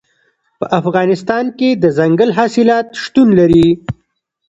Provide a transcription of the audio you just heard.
په افغانستان کې دځنګل حاصلات شتون لري.